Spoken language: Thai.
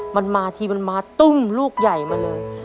มันมาทีมันมาตุ้มลูกใหญ่มาเลย